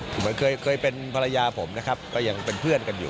เหมือนเคยเป็นภรรยาผมนะครับก็ยังเป็นเพื่อนกันอยู่